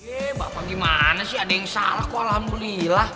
eh bapak gimana sih ada yang salah kok alhamdulillah